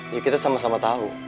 ya kita sama sama tahu